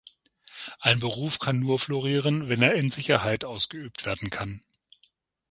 Ein Beruf kann nur florieren, wenn er in Sicherheit ausgeübt werden kann.